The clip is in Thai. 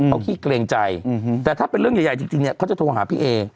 เขาขี้เกรงใจแต่ถ้าเป็นเรื่องใหญ่จริงเนี่ยเขาจะโทรหาพี่เอ